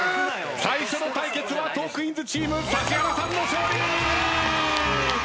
最初の対決はトークィーンズチーム指原さんの勝利！